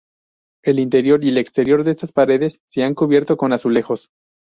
El interior y el exterior de estas paredes se ha cubierto con azulejos.